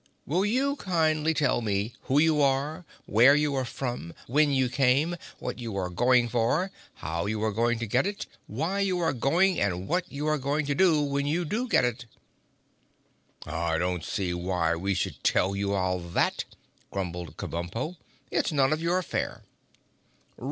"Will you kindly tell me who you are, where you came from, when you came, what you are going for, how you are going to get it, why you are going and what you are going to do when you do get it!" "I don't see why we should tell you all that," grumbled Kabumpo. "It's none of your affair."